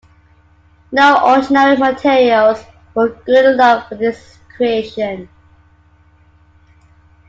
No ordinary materials were good enough for his creation.